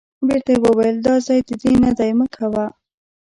بیرته یې وویل دا ځای د دې نه دی مه کوه.